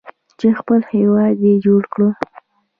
چې خپل هیواد یې جوړ کړ.